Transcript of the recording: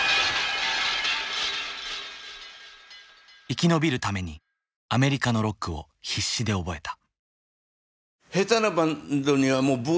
生き延びるためにアメリカのロックを必死で覚えた。